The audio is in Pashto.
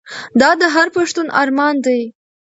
دا د هر پښتون ارمان دی.